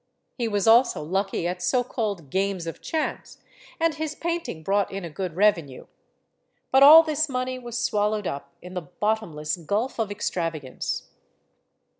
He was also lucky at so called games of chance, and his painting brought in a good revenue. But all this money was swallowed up in the bottomless gulf of extravagance.